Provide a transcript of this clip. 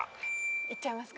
いっちゃいますか。